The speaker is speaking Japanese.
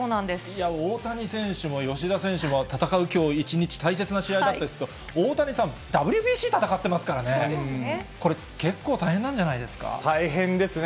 いや、大谷選手も吉田選手も、戦うきょう一日、大切な試合だったですけど、大谷さん、ＷＢＣ戦ってますからね、これ、結構大変なんじゃ大変ですね。